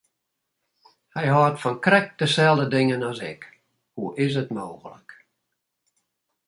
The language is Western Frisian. Hy hâldt fan krekt deselde dingen as ik, hoe is it mooglik!